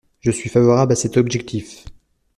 Je suis favorable à cet objectif.